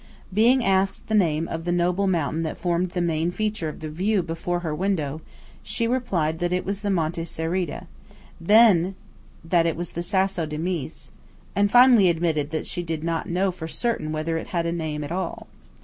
Being asked the name of the noble mountain that formed the main feature of the view before her windows, she replied first that it was the Monte Cereda; then that it was the Sasso di Mis; and finally admitted that she did not know for certain whether it had a name at all.